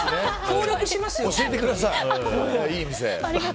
教えてください、いいお店。